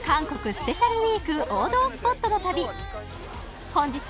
スペシャルウィーク王道スポットの旅